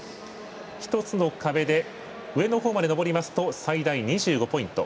１つの壁で上の方まで登りますと最大２５ポイント。